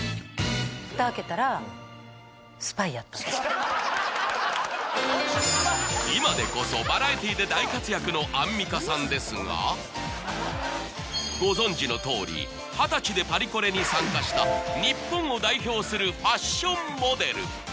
フタ開けたら今でこそのアンミカさんですがご存じのとおり二十歳でパリコレに参加した日本を代表するファッションモデル